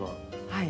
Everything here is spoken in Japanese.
はい。